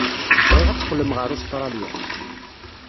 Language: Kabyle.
Bɣiɣ ad teqqlem ɣer Ustṛalya.